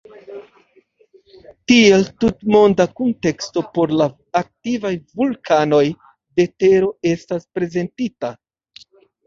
Tiel, tutmonda kunteksto por la aktivaj vulkanoj de tero estas prezentita.